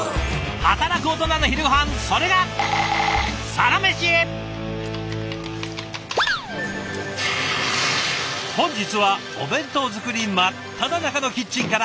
働くオトナの昼ごはんそれが本日はお弁当作り真っただ中のキッチンから。